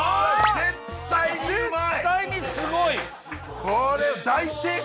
絶対にうまい！